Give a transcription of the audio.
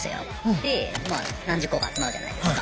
でまあ何十個か集まるじゃないですか。